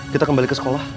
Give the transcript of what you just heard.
kita kembali ke sekolah